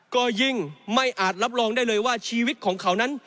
ก็ยิ่งไม่อาจรับรองได้เลยว่าชีวิตของเขานั้น